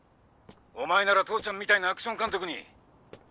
お前なら父ちゃんみたいなアクション監督に。